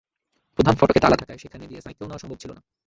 প্রধান ফটকে তালা থাকায় সেখান দিয়ে সাইকেল নেওয়া সম্ভব ছিল না।